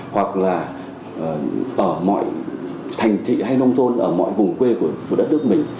hoặc là ở mọi thành thị hay nông thôn ở mọi vùng quê của đất nước mình